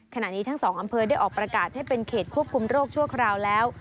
ขณะนี้ทั้งสองอำเภอได้ออกประกาศให้เป็นเขตควบคุมโรคชั่วคราวแล้ว